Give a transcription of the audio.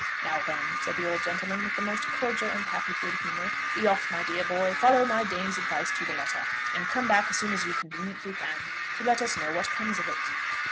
"Now, then," said the old gentleman with the most cordial and happy good humour, "be off, my dear boy; follow my dame's advice to the letter, and come back as soon as you conveniently can, to let us know what comes of it."